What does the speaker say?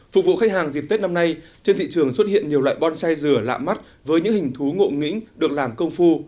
phục vụ khách hàng dịp tết năm nay trên thị trường xuất hiện nhiều loại bonsai dừa lạ mắt với những hình thú ngộ nghĩnh được làm công phu